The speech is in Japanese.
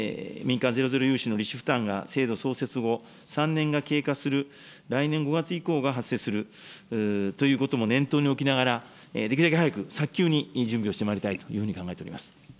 民間ゼロゼロ融資の利子負担が制度創設後３年が経過する来年５月以降が発生するということも念頭に置きながら、できるだけ早く、早急に準備をしてまいりたいというふうに考えております。